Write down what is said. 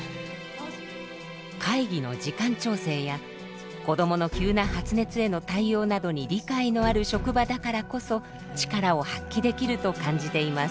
会議の時間調整や子どもの急な発熱への対応などに理解のある職場だからこそ力を発揮できると感じています。